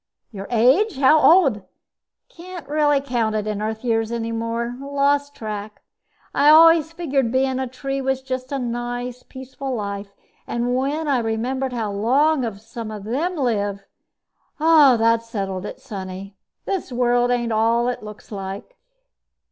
"Your age? How old ?" "Can't really count it in Earth years any more. Lost track. I always figured bein' a tree was a nice, peaceful life; and when I remembered how long some of them live, that settled it. Sonny, this world ain't all it looks like."